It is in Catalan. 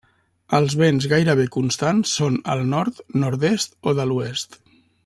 Els vents gairebé constants són el nord, nord-est, o de l'oest.